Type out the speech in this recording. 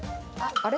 あれ？